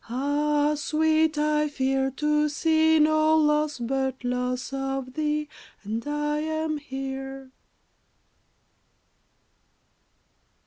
Ah, Sweet, I fear to see No loss but loss of Thee And I am here.